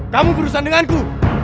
kamu berurusan denganku